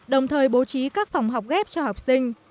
đồng thời bố trí các phòng học ghép cho học sinh